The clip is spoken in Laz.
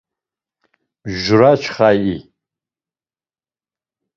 Mjuraçxai?